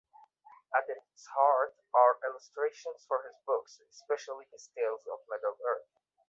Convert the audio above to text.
At its heart are illustrations for his books, especially his tales of Middle-earth.